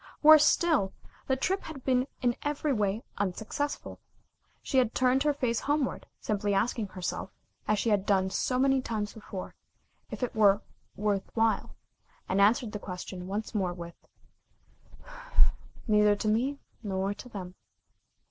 Worse still, the trip had been in every way unsuccessful. She had turned her face homeward, simply asking herself, as she had done so many times before, if it were "worth while," and answered the question once more with: "Neither to me nor to them."